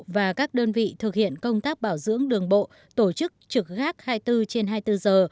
và các đơn vị thực hiện công tác bảo dưỡng đường bộ tổ chức trực gác hai mươi bốn trên hai mươi bốn giờ